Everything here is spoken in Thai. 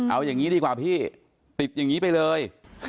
เอาอย่างนี้ดีกว่าพี่ติดอย่างนี้ไปเลย